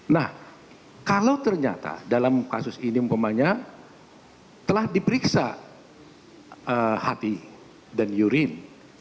nah kalau ternyata dalam kasus ini umpamanya telah diperiksa hati dan yurin